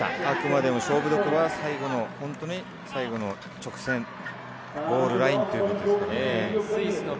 あくまでも勝負どころは本当に最後の直線、ゴールラインということです。